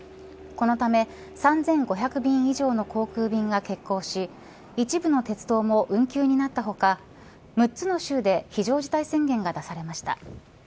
このため３５００便以上の航空便が欠航し一部の鉄道も運休になった他６つの州で非常事態宣言が出されました。